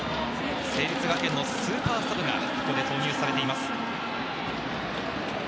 成立学園のスーパーサブがここで投入されています。